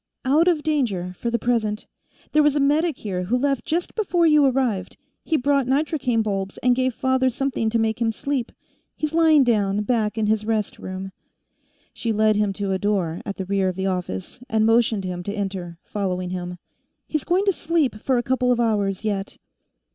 "Out of danger, for the present. There was a medic here, who left just before you arrived. He brought nitrocaine bulbs, and gave father something to make him sleep. He's lying down, back in his rest room." She led him to a door at the rear of the office and motioned him to enter, following him. "He's going to sleep for a couple of hours, yet."